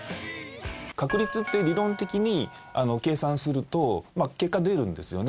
確率って理論的に計算すると結果出るんですよね。